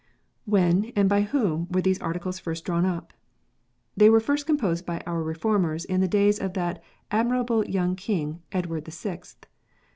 "When and by whom were these Articles first drawn up ? They were first composed by our Reformers in the days of that admirable young King, Edward the Sixth.